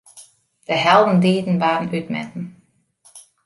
De heldendieden waarden útmetten.